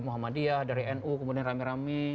muhammadiyah dari nu kemudian rame rame